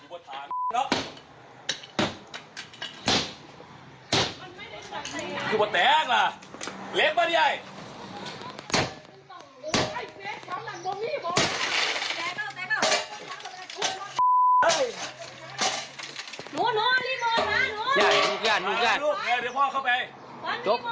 โอ้โฮอืมคือที่ต้องมีเสียงดูดตื๊ดสนิท